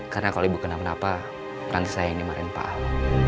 karena kalau ibu kenapa napa nanti saya yang dimarahin pak al